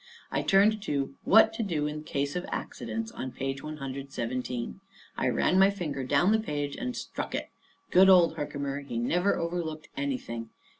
I turned to "What to do in Case of Accidents," on page 117. I run my finger down the page, and struck it. Good old Herkimer, he never overlooked anything!